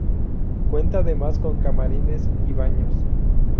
Cuenta además con camarines y baños.